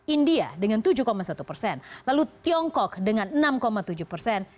india dengan tujuh satu persen lalu tiongkok dengan enam tujuh persen